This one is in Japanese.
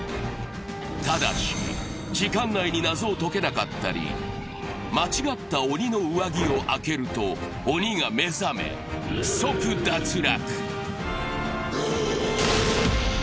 ただし、時間内に謎を解けなかったり、間違った鬼の上着を開けると、鬼が目覚め、即脱落。